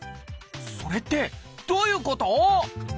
それってどういうこと？